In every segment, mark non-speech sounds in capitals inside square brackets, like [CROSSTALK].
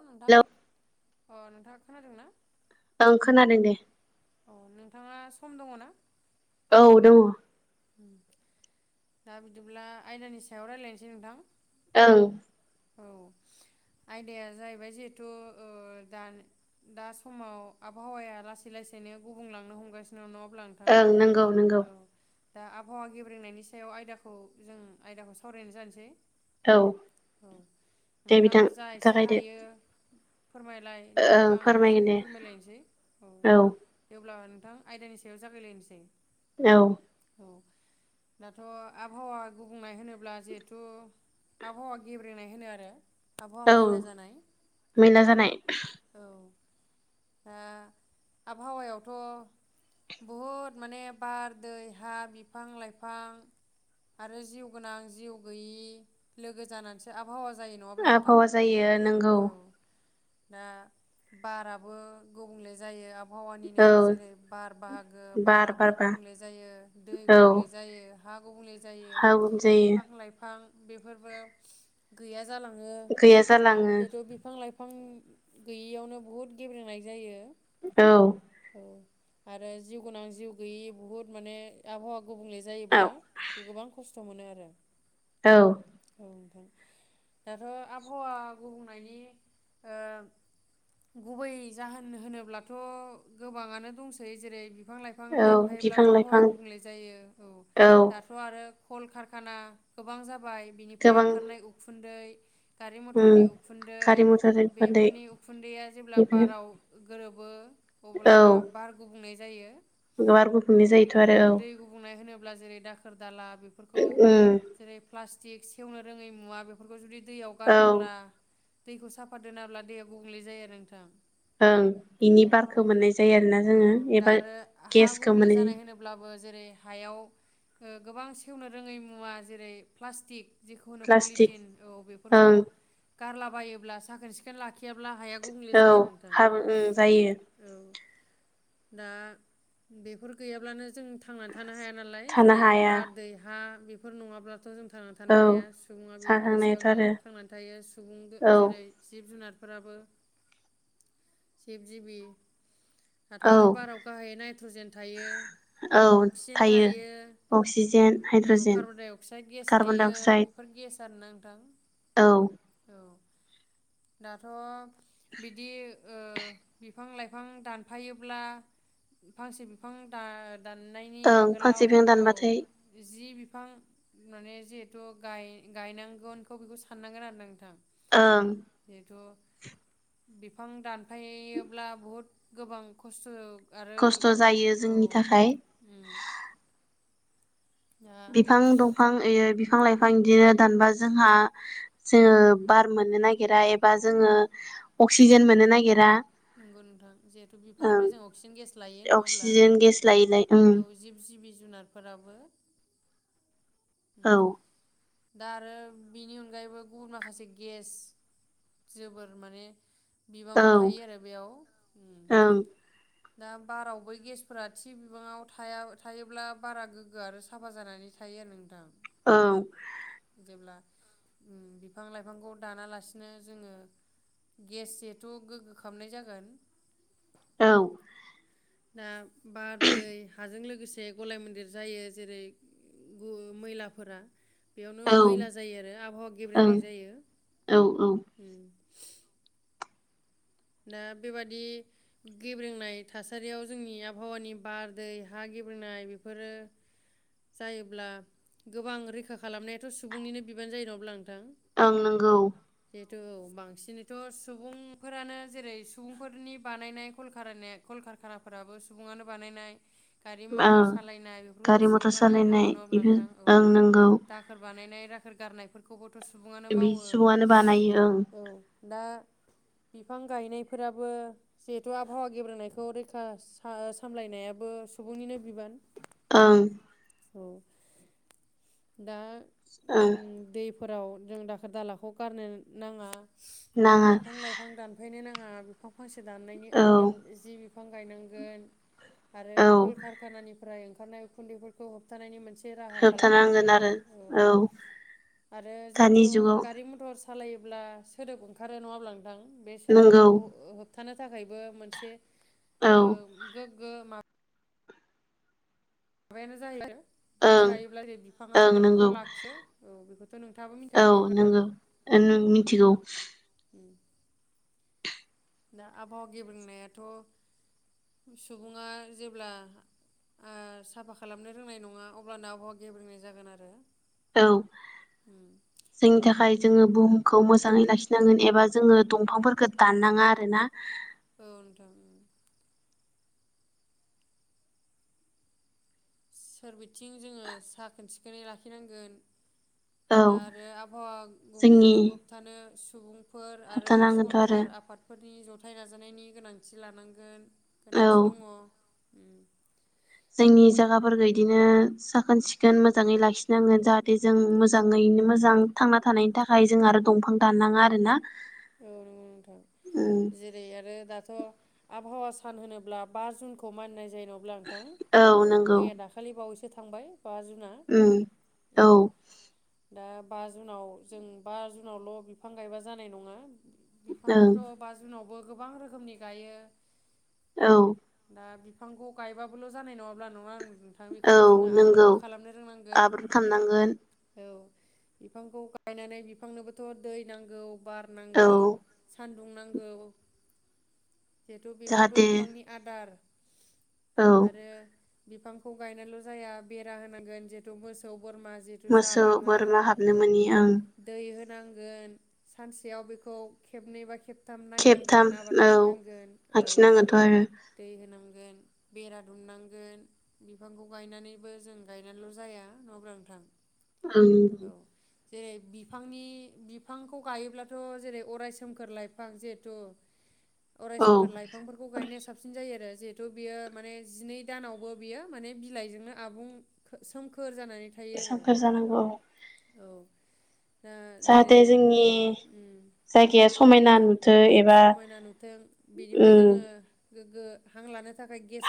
औ नोंथां हेलौ अ नोंथाङा खोनादों ना? ओं खोनादों दे औ नोंथाङा सम दङ ना? औ दङ उम दा बिदिब्ला आयदानि सायाव रायज्लायनोसै नोंथां। औ औ आयदाया जाहैबाय जिहेथु दा दा समाव आबहावाया लासै लासैनो गुबुंलांनो हमगासिनो न ओं नंगौ नंगौ दा आबहावा गेब्रेंनायनि सायाव आयदाखौ जों आयदाखौ सावरायनाय जानोसै। औ औ दे बिथां नोंथाङाबो जा एसे जागायदो हायो फोरमायलाय नोंथां ओं आं फोरमायगोन बुजिहाय दे फोरमायलायनोसै औ जेब्ला थां आयदानि सायाव जागायलायनोसै औ दाथ' आबहावा गुबुंनाय होनोब्ला जिहेथु आबहावा गेब्रेनाय होनो आरो। आबहावा औ मैला जानाय मैला जानाय औ। ओ आबहावायावथ' बहुद माने बार दै हा बिफां लाइफां आरो जिउ गोनां जिउ गैयि लोगो जाना सो आबहा आबहावा जायो ओ नोंगौ। औ दा बाराबो गुबुंले जायो आब आबहावानिनो औ जेरै बार बाहागो बार बाराबो बारबा गुबुंले जायो दै औ गुबुंले जायो। हा गुबुंले जायो हागुम जायो बिफां लाइफां बेफोरबो गैया जालाङो गैया जालाङो जेतु बिफां लाइफां गैयियावनो बुहुत गेब्लेनाय जायो औ औ आरो जिउ गोनां जिउ गैयि बुहुत माने आबहावा गुबुंले औ जायोब्ला गोबां खस्थ' मोनो आरो औ औ‌ नोंथां दाथ' आबहावा गुबुंनायनि ओ गुबै जाहोन होनोब्लाथ' गोबाङानो दंसै जेरै बिफां लाइफां औ बिफां दानफायोब्लाबो लाइफां हावाया गुबुंले जायो औ दाथ' आरो कल कारखाना गोबां जाबाय जाबाय बिनिफ्राय गोबां ओखारनाय उखुन्दै गारि उम मथरनि उखुन्दै गारि मथर उखुन्दै बेफोरनि उखुन्दैया जेब्ला बाराव गोरोबो औ अब्लाना बार गुबुंनै ज जायो। बार औ गुबुंले जायोथ' आरो औ दै गुबुंनाय होनोब्ला जेरै दाखोर दाला बेफोरखौ उम जेरै प्लास स्टिक सेवनो रोङै मुवा बेफोरखौ जुदि दैयाव औ गारोब्ला दैखौ साफा दोनाब्ला दैया गुबुंले जायो आरो नोंथां ओं बेनि औ बारखौ मोननाय जायो आरोना औ जोङो दा एबा आरो हा गेसखौ गुबुंले मोने जानाय होनोब्लाबो जेरै हायाव ओ गोबां सेवनो रोङै मुवा जेरै प्लास्टिक जिखु प्लास्टिक पलिटिन औ बेफोरखौ ओं गारलाबायोब्लासो साखोन सिखोन ला खियाब्ला हाया गुबुंले औ जायो नोंथां हाबो ओं जायो औ दा बेफोर गैयाब्लानो जों थांनानै थानो हाया नालाय थानो जेरै हाया बार दै हा बेफोर नङाब्लाथ जों था थानो औ हाया सुबुङा बेफोरनि सानखांनायाथ' सायावनो आरो थांनानै थायो सुबुं औ जेरै जिब जुनार फोराबो जिब जिबि दाथ औ आरो बाराव गाहायै नाइट्रजेन थायो अक्सिजेन थायो अक्सिजेन औ हाइद्रजेन कार्बनडाइ अक्साइड गेस कार्बन डाइ थायो अक्साइड बेफोरनो गेस गार ना नोंथां औ दाथ बिदि ओ बिफां लाइफां दानफायोब्ला फांसे बिफां दा दाननायनि ओं आगोलाव फांसे बिफां औ दानबाथाय जि बिफां माने जिहेथु गाय गायनांगोनखौ बेखौ साननांगोन आरो ना नोंथां ओं जिहेथु बिफां दानफायोब्ला बहुद गोबां खस्थ आरो खस्थ जायो औ जोंनि थाखाय उम दा बिफां दंफां यो बि बिफां लाइफां बिदिनो दानबा जोंहा जोङो बार मोननो नागिरा एबा जोङो अक्सिजेन मोननो नागिरा नंगौ नोंथां जिहेथु ओं बिफांनिफ्राय जों अक्सिजेन गेस लायो नङाहब्ला अक्सिजेन गेस लायै लायै ओं औ जिब जिब जुनारफोराबो औ दा आरो बेनि अनगायैबो गुबुन माखासे गेस जोबोर माने बिबाङाव औ थायो आरो बेयाव ओं दा बारावबो गेसफोरा थि बिबाङाव थाया थायोब्ला बारा गोग्गो आरो साफा जानानै थायो आरो नों थां औ बिफां लाइफांखौ दानालासिनो जोङो गेस जिहेथु गोग्गो खालामनाय जागोन औ दा बार दै हाजों लोगोसे गलाय मन्दिर जायो जेरै गु मैलाफोरा बेयावनो मैला जायो आरो आबहावा ओं गेब्रेंनाय जायो औ औ हम ना बेबादि गेब्रेनाय थासारियाव जोंनि आबहावानि बार दै हा गेब्रेंनाय बेफोरो जायोब्ला गोबां रैखा खालामनायाथ' सुबुंनिनो बिबान जायो नङाब्ला नोंथां आं नंगौ बेथ' औ बांसिनैथ' सुबुंफोरानो जेरै सुबुंफोरनि बानायनाय कलकारानि कलकारकानाफोराबो सुबुङानो बानायनाय गारि मथर ओं सालायनाय बेफोरखौथ' गारि मथर सुबुङानो मावो सालायनाय नङाहोमब्ला बेफोर नोंथां औ ओं नंगौ दाखोर बानायनाय रा खोर गारनायफोरखौबो थ' सुबङानो बे मावो सुबुङानो बानायो ओं औ दा बिफां गायनायफोराबो जिहेथु आबहावा गेब्रांनायखौ रैखा साम सामलायनायाबो सुबुंनिनो बिबान ओं औ दा ओं उम दै फोराव जों दाखोर दालाखौ गारनो नाङा नाङा नो नाङा बिफां फांसे दानायनायनि औ आगोल जि बिफां गायनांगोन आरो औ कल कार खानानिफ्राय ओंखारनाय उखुन्दैफोरखौ होबथानायनि मोनसे से राहा होबथानांगोन खालामनांगोन आरो औ आरो दानि जिहेथु जुगाव गारि मथर सालायोब्ला सोदोब ओंखारो नङाब्ला नोंथां नंगौ सोदोबखौ ओ होबथानो थाखायबो मोनसे औ गोमा माबायानो जाहैयो बिफां गायोब्ला जे बिफाङा ओं नंगौ सोदोबखौ लाखियो औ बेखौथ' नोंथाङाबो औ मिथिखायो नङा होमब्ला नंगौ नों नोंथां मिथिगौ औ दा आबहावा गेब्रेंनायाथ' सुबुङा जेब्ला ओ साफा खालामनो रोंनाय नङा अब्लानो आबहावा गेब्रेंनाय जागोन आरो औ उम जोंनि थाखाय जोङो बुहुमखौ मोजाङै लाखिनांगोन एबा जोङो दंफांफोरखौ दाननाङा आरोना औ नोंथां ओम सोरबिथिं जोङो साखोन सिखोनै लाखिनांगोन औ दा आरो आबहावा गुबुंले जोंनि जानायखौ होबथानो सुबुं फोर आरो होबथानांगोनथ' आरो सरखार आफादफोरनि जथु हाइ नाजानायनि गोनांथि लानांगोन। औ गोनांथि दङ उम जोंनि जागाफोरखौ इदिनो साखोन सिखोन मोजाङै लाखिनांगोन जाहाथे जों मोजाङैनो मोजां थांना थानायनि थाखाय जों आरो दंफां दाननाङा आरोना औ नंगौ नोंथां औ जेरै आरो दा- त आबहावा सान होनोब्ला बा जुनखौ मानिनाय जेन'ब्ला नोंथां औ मैया दाखालि बावैसै थांबाय बा जुना उम औ दा बा जुनाव जों बा जुनावल' बिफां गायबा जानाय नङा बिफांखौथ' बा जुनावबो गोबां रोखोमनि गायो। औ दा बिफांखौ गायबाबोल' जानाय नङाब्ला नङा आं नोंथां बेखौ औ जोंङो नंगौ आबोरबो खालामनो रोंनांगोन आबोर खालामनांगोन औ बिफांखौ गायनानै बिफांनोबोथ' दै नांगौ बा नोंगौ औ सा बुंनांगौ जिहेथु बेफोरबो जाहाथे बिफांनि आदार औ आरो बिफांखौ गायनाल' जाया बेरा होनांगोन जिहेथु मोसौ बोरमा जिहेथु मोसौ जालाङा बोरमा हाबनो मोनि औ ओं दै नांगोन सा याव बेखौ खेबनैबा खेब थाम खेबथाम नायनांगोन आबार औ लाखिनांगोन औ आखिनांगोनथ' आरो दै होनां गोन बेरा दुमनांगोन बिफांखौ गायनानैबो जों गायनानैल' जाया न अब्ला नोंथां। औ आं जेरै बिफांनि बिफांखौ गायोब्ला थ' जेरै अराय सोमखोर लाइफां जिहेथु अराय औ सोमखोर लाइफांफोरखौ गायनाया साबसिन जायो आरो। जिहेथु बियो माने जिनै दानावबो बियो माने बिलाइजोंनो आबुं सोमखोर जानानै थायो आरो सोमखोर जानांगौ औ दा जाहाथे जेरै जोंनि उम जायगा समायना एबा समायना नुथों बेनिफ्राय उम जोंङो। गोग्गो हांला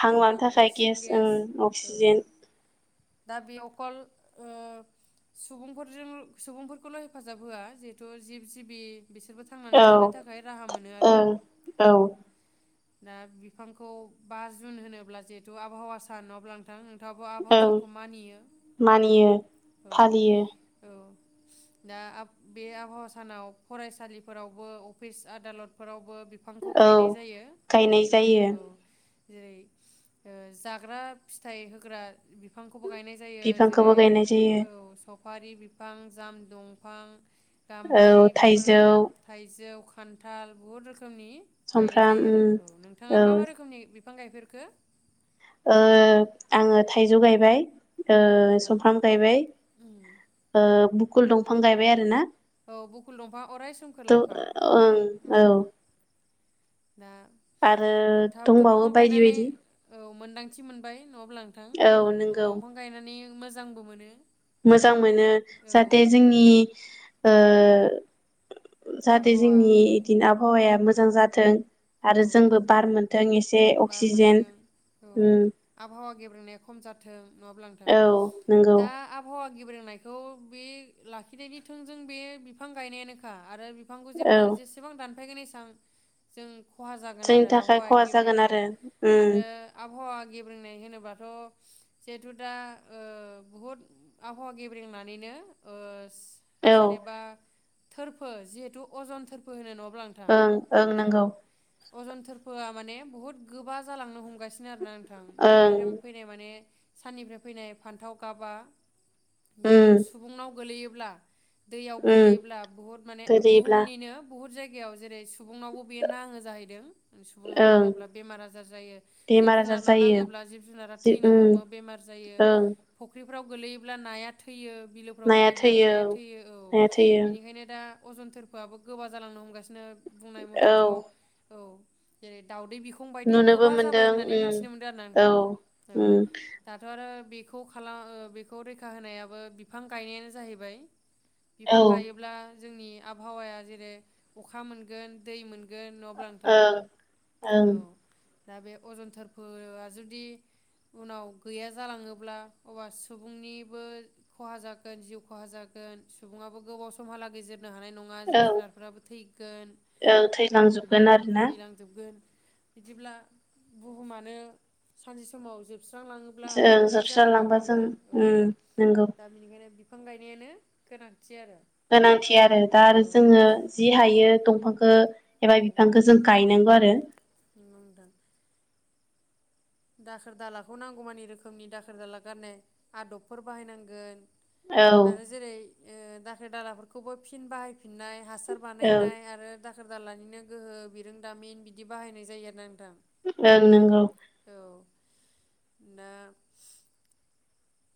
हां लानो थाखाय गेस ओ औ अक्सिजेन। दा बे अकल ओ सुबुंफोरजों सुबुंफोरखौल' हेफाजाब होआ जिहेथु जिब जिबि बिसोरबो थांनानै औ थानो थाख खाय राहा मोनो आरो ओं औ। दा बिफांखौ बा जुन होनोब्ला जिहेतु आबहावा सान नङा अब्ला नोंथां नो आबो आबहावा ओं सानखौ मानियो मानियो औ फालियो औ। दा आब बे आबहावा सानाव फरायसालिफोरावबो फिस आदालतफोरावबो बिफांखौ औ गायनाय जायो गायनाय जिहेथु जायो औ जेरै ओ जाग्रा फिथाइ होग्रा बिफां खौबो गायनाय जायो बिफांखौबो जेरै गायनाय जायो औ सक बारि बिफां जाम दंफां गाम्बारि औ बेफोर थाइजौ थाइजौ खान्थाल बहुद रोख खोमनि गायनाय सुमफ्राम जायो आरो उम औ नोंथाङा औ मा मा रोखोमनि बिफ फां गायफोरखो? ओ आङो थाइजौ गायबाय। औ ओ नोंथां समफ्राम गायबाय ओ बुक कुल दंफां गायबाय आरो ना औ बुकुल दंफां अराय सोमखोर तु लाइफां ओं औ। दा आरो नोंथाङाबोथ' बिफां दंबावो बायदि गायनानै बायदि। औ मोन्दांथि मोनबाय नङा अब्ला नोंथां औ दंफां गायनानै मोजांबो मोनो मोजां मोनो औ जाहाथे जोंनि ओ जाहाथे आबहावा जोंनि दिनाब हावाया मोजां जाथों। आरो औ जोंबो बार मोनथों एसे बार अक्सिजेन मोनथों औ उम। आबहावा गेब्रेंनाया खम जाथों नङाब्ला नोंथां औ नंगौ दा आबहावा गेब्रेंनायखौ बे लाखिनायनि थोंजों बे बिफां गायनायानोखा आरो बि फांखौ औ जेफ्रा जेसेबां दान फायगोन एसां जों खहा जागोन जोंनि आरो थाखाय आबहावाया खहा जागोन गेब्रेंगोन आरो उम आरो आबहावा गेब्रेंनाय होनोबाथ' जिहेथु दा बहुद आबहावा गेब्रेंनानैनो औ जेनेबा। थोरफो जिहेतु अजन थोरफो होनो नोंथां ओं ओं औ नंगौ। अजन थोरफोआ माने बुहुत गोबा जालांनो हमगासिनो आरोना थां ओं बेनिफ्राय फैनाय माने। साननिफ्राय फैनाय फान्थाव गाबबा। जिहेथु उम सुबुंनाव गोलैयो। ब्ला। दैयाव उम गोलैयोब्ला बुहुत माने गोदोयोब्ला बुहुमनिनो बुहुत जायगायाव गिबियाव जेरै सुबुंनावबो नाङो जाहैदों सुबुंनाव ओं नाङोब्ला बेमार आजार जायो जिब बेमार आजार जुनारनाव जायो नाङोब्ला जिब जुनारा जि थैनो उम हमो बेमार जायो ओं फख्रि फ्राव गोलैयोब्ला नाया थैयो। बिलोफ्राव गोगलैयोब्ला नाया थैयो औ नाया थैयो बेनिखायनो दा अजन थोरफोरआबो गोबा जालांनो हमगासिनो बुं औ थ' औ। जेरै दाउ दै बिखं बायदि नुनोबो गोबा जाबाय मोनदों होननानै उम मिथिनो मोन्दों आरोना औ नोंथां औ उम दाथ' आरो बेखौ खालाम बेखौ रैखा होनायाबो बिफां गायनायानो जाहैबाय। औ बिफां ओं गायोब्ला जोंनि आबहाव जेरै अखा मोनगोन दै मोन गोन नङाब्ला नोंथां ओं औ। दा बे अजन थोरफोआ जुदि उनाव गैया जालाङोब्ला अब्ला सुबुंनिबो खहा जागोन जिउ खहा जागोन सुबुङाबो गोबाव समहालागै जो रनो हानाय नङा जिब औ जुनारफोराबो थैगोन। औ थैलांजोबगोन आरोना। थैलांजोबगोन बिदिब्ला बुहुमानो सानसे समाव जोब स्रांलाङोब्ला जों बोरै जागोन नङा जोबस्रालांबा होनब्ला जों नोंथां औ उम नंगौ दा बेनिखायनो बिफां गायनायानो गोनां गोनांथि आरो दा आरो जोङो जि हायो दंफां खो औ एबा बिफांखौ जों गायनांगौ आरो। नंगौ नोंथां दाखोर दालाखौ नांगौमानि रोखोमनि दाखोर दाला गारनाय आदबफोर बाहायनांगोन। औ आरो जेरै ओ दाखोर दालाफोरखौबो फिन बाहायफिननाय हा सार औ बानायनाय आरो दाखोर दालानिनो गोहो बिरोंदामिन बिदि बाहायनाय जायो आरो ना नोंथां। औ नंगौ। औ दा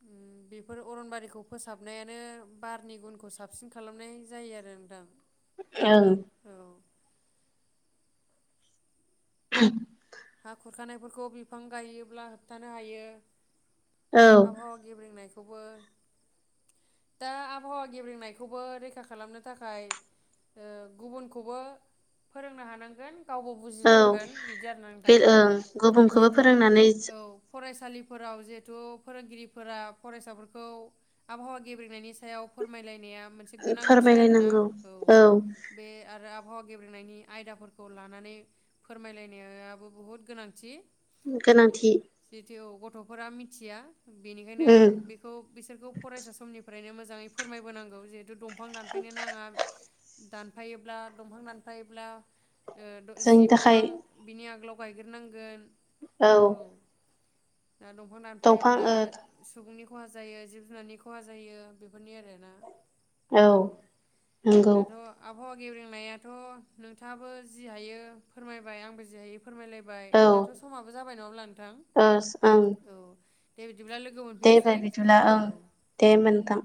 उम बेफोर अरनबारिखौ फोसाबनायानो बारनि गुनखौ साबसिन खालामनाय जायो आरो नोंथां। ओम औ [INAUDIBLE] हा खुरखानायफोरखौ बिफां गायोब्ला होबथानो हायो। औ आबहावा गेब्रेंनाय खौबो दा आबहावा गेब्रेंनायखौबो रैखा खालामनो थाखाय ओ गुबुनखौबो फोरोंनो हानांगोन। गावबो औ बुजिनांगोन बिदि आरोना नों बे ओं गुबुनखौबो फोरोंनानै फरायसालिफोराव जिहेथु फोरोंगिरिफोरा फरायसाफोरखौ आबहावा गेब्रेंनायनि सायाव फोरमायलायनाया मोनसे गोनांथि आरोना फोरमायलायनांगौ औ बे आरो आब आबहाव गेब्रेंनायनि आयदाफोरखौ लानानै फोरमायलायनायाबो बुहुद गोनांथि। गोनांथि। औ गथ'फोरा मिथिया बेनिखायनो उम बेखौ बिसोरखौ फरायसा समनिफ्राय फ्रायनो मोजांङै फोरमायबोनांगौ जिहेथु दम दंफां दानफायनो नांङा दानफायोब्ला दंफां दानफायोब्ला ओ‌ द जि जोंनि थाखाय बिफां बिनि आगोलाव गायग्रो नांगोन। औ दा दंफां दंफां दानफ्लायब्ला ओ सुबुंनि खहा जायो जिब जुनारनि खहा जायो बेफोरनि आरो ना। औ नंगौ। दाथ' आबहावा गेब्रेंनायाथ' नोंथाङाबो जि हायो फोरमायबाय आंबो जि हायो फोरमायलायबाय औ दाथ' ओ समाबो जाबाय नंङा होनब्ला नोंथां ओं औ। दे बिदिब्ला लोगो दे मोनफिनसै बाय बिदिब्ला ओं औ दे नोंथां।